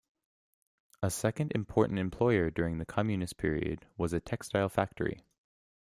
A second important employer during the Communist period was a textile factory.